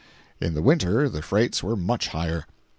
In the winter the freights were much higher.